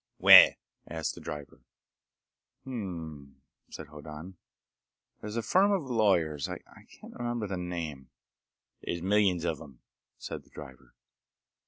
"Where?" asked the driver. "Hm m m," said Hoddan. "There's a firm of lawyers.... I can't remember the name—" "There's millions of 'em," said the driver.